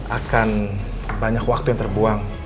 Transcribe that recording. akan banyak waktu yang terbuang